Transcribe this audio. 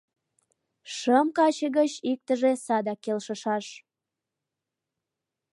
Шым каче гыч иктыже садак келшышаш...